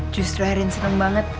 justru erin seneng banget